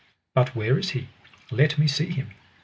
But where is he? let me see him.